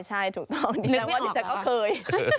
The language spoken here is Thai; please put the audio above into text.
ใช่ถูกต้องดิฉันว่าดิฉันก็เคย